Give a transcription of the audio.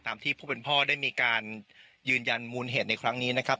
ที่ผู้เป็นพ่อได้มีการยืนยันมูลเหตุในครั้งนี้นะครับ